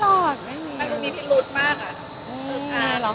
แล้วพอสัมภาษณ์เขาก็สงสัยมากเลย